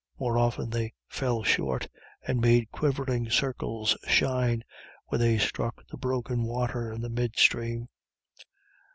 More often they fell short, and made quivering circles shine where they struck the broken water in the mid stream.